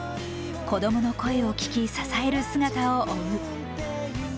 子供の声を聴き、支える姿を追う。